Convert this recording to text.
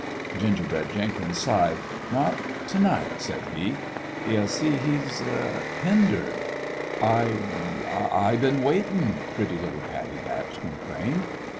Gingerbread Jenkins sighed. " Not t' night," said he. "You see, he's hindered." "I I I been waitiri," pretty little Pattie Batch complained.